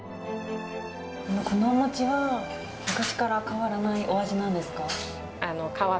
このおもちは昔から変わらないお味なんですか？